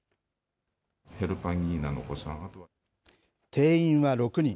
定員は６人。